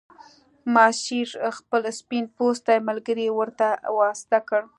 ماسیر خپل سپین پوستی ملګری ورته واسطه کړ.